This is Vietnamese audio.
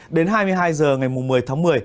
đến hai mươi hai h ngày một mươi tháng một mươi